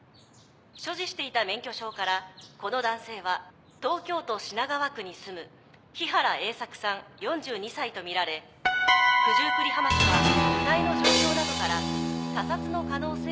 「所持していた免許証からこの男性は東京都品川区に住む日原英策さん４２歳とみられ九十九里浜署は遺体の状況などから他殺の可能性も」